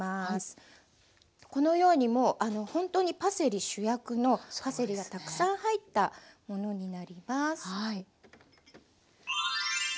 このようにもう本当にパセリ主役のパセリがたくさん入ったものになります。